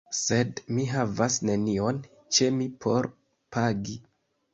Sed mi havas nenion ĉe mi por pagi.